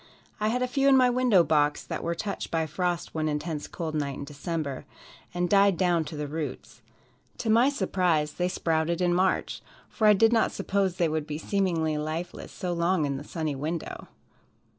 I had a few in my window box that were touched by frost one intense cold night in December, and died down to the roots. To my surprise, they sprouted in March, for I did not suppose they would be seemingly lifeless so long in a sunny window.